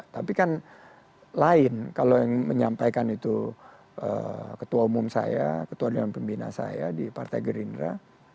tapi kan lain kalau yang menyampaikan itu ketua umum saya ketua dan pembina saya di partai gerindra